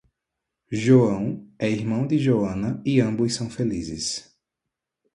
João é irmão de joana e ambos são felizes